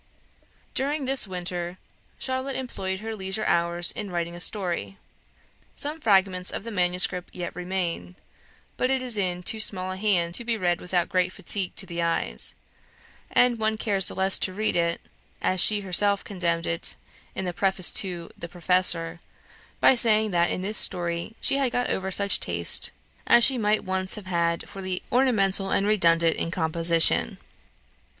During this winter, Charlotte employed her leisure hours in writing a story. Some fragments of the manuscript yet remain, but it is in too small a hand to be read without great fatigue to the eyes; and one cares the less to read it, as she herself condemned it, in the preface to the "Professor," by saying that in this story she had got over such taste as she might once have had for the "ornamental and redundant in composition."